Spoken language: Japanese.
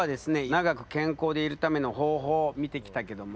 長く健康でいるための方法を見てきたけども。